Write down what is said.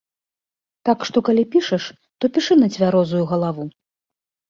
Так што калі пішаш, то пішы на цвярозую галаву.